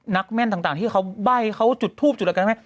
แม่นต่างที่เขาใบ้เขาจุดทูบจุดอะไรกันแม่